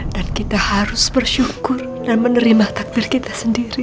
dan kita harus bersyukur dan menerima takdir kita sendiri